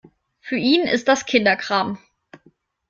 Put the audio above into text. Für ihn ist das Kinderkram.